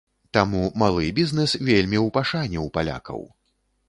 Таму малы бізнэс вельмі ў пашане ў палякаў.